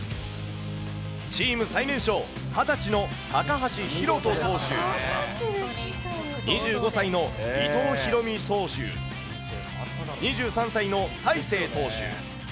チーム最年少、２０歳の高橋宏斗投手、２５歳の伊藤大海投手、２３歳の大勢投手。